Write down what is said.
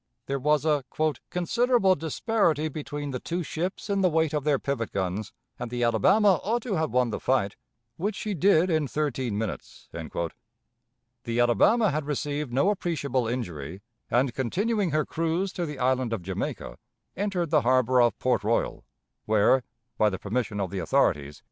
There was a "considerable disparity between the two ships in the weight of their pivot guns, and the Alabama ought to have won the fight, which she did in thirteen minutes." The Alabama had received no appreciable injury, and, continuing her cruise to the Island of Jamaica, entered the harbor of Port Royal, where, by the permission of the authorities.